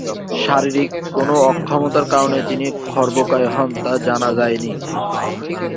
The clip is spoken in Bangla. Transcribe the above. শারীরিক কোন অক্ষমতার কারণে তিনি খর্বকায় হন তা জানা যায়নি।